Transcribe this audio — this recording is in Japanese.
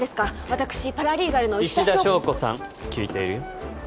私パラリーガルの石田硝子さん聞いているよ